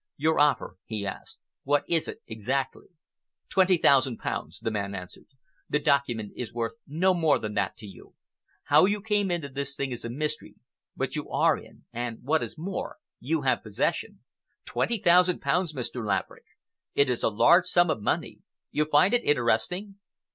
"Your offer," he asked, "what is it exactly?" "Twenty thousand pounds," the man answered. "The document is worth no more than that to you. How you came into this thing is a mystery, but you are in and, what is more, you have possession. Twenty thousand pounds, Mr. Laverick. It is a large sum of money. You find it interesting?"